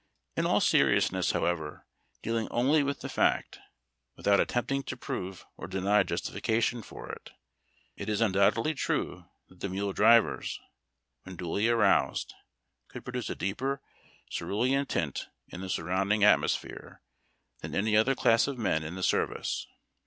In all seriousness, however, dealing only with the fact, without attempting to prove or deny justification for it, it is undoubtedly true that the mule drivers, when duly aroused, could produce a deeper cerulean tint in the sur rounding atmosphere than any other class of men in the service.